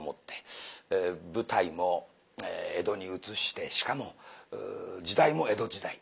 舞台も江戸に移してしかも時代も江戸時代。